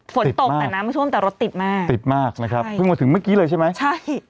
ฝนตกแต่น้ำท่วมแต่รถติดมากติดมากนะครับเพิ่งมาถึงเมื่อกี้เลยใช่ไหมใช่